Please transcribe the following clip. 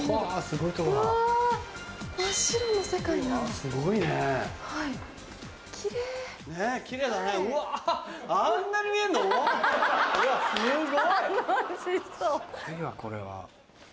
すごいわこれは。